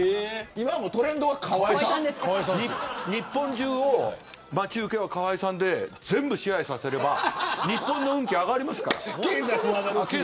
日本中の待ち受けを川合さんで全部支配させれば日本の運気が上がりますから。